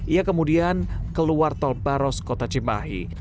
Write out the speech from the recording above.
ia kemudian keluar tol baros kota cimahi